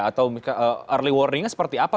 atau early warningnya seperti apa